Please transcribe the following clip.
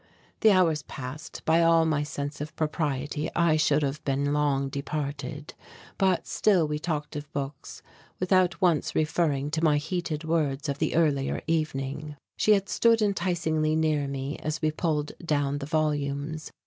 The hours passed; by all my sense of propriety I should have been long departed, but still we talked of books without once referring to my heated words of the earlier evening. She had stood enticingly near me as we pulled down the volumes.